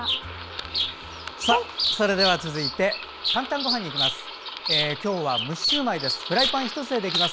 それでは続いて「かんたんごはん」にいきます。